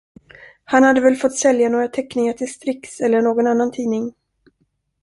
Han hade väl fått sälja några teckningar till Strix eller någon annan tidning.